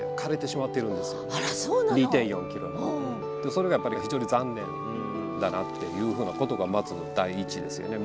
それがやっぱり非常に残念だなっていうふうなことがまず第一ですよね。